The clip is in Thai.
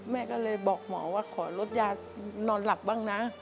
แม่ก็เลยบอกหมอว่าขอลดยานอนหลับบ้างนะ